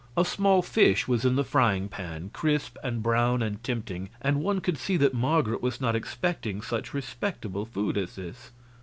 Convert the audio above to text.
A small fish was in the frying pan, crisp and brown and tempting, and one could see that Marget was not expecting such respectable food as this.